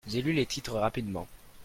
J'ai lu les titres rapidement.